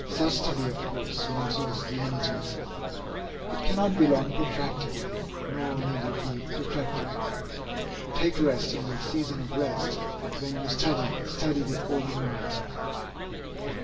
Such study of course soon exhausts the energies. It cannot be long protracted, nor need it be protracted. Take rest in the season of rest; but, when you study, study with all your might.